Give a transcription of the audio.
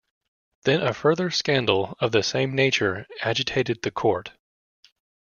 Then a further scandal of the same nature agitated the Court.